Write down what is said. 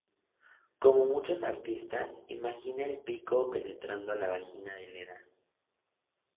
Como muchos artistas, imagina el pico penetrando la vagina de Leda.